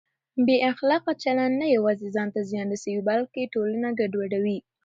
بې اخلاقه چلند نه یوازې ځان ته زیان رسوي بلکه ټولنه ګډوډوي.